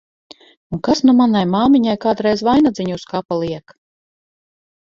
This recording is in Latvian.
Un kas nu manai māmiņai kādreiz vainadziņu uz kapa liek!